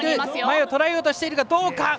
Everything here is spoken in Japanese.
前をとらえようとしているがどうか！？